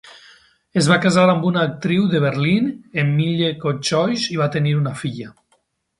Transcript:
Es va casar amb una actriu de Berlín, Mlle Cochois, i va tenir una filla.